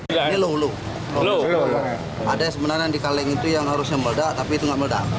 ini loluk ada yang sebenarnya di kaleng itu yang harusnya meledak tapi itu nggak meledak